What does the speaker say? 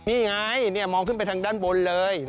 นี่ไงมองขึ้นไปทางด้านบนเลย